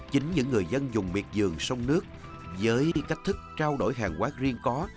chính những người dân dùng miệt dường sông nước với cách thức trao đổi hàng quát riêng có